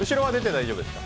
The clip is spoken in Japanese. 大丈夫です。